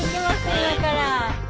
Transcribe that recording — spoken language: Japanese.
今から。